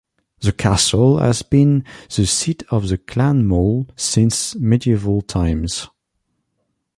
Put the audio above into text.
The castle has been the seat of the Clan Maule since medieval times.